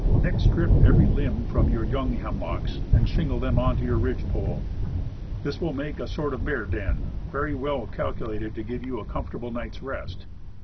Next, strip every limb from your young hemlocks, and shingle them on to your ridge pole. This will make a sort of bear den, very well calculated to give you a comfortable night's rest.